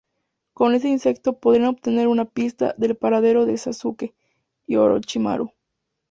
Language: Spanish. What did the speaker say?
Con ese insecto podrían obtener una pista del paradero de Sasuke y Orochimaru.